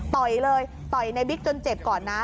ต่อยเลยต่อยในบิ๊กจนเจ็บก่อนนะ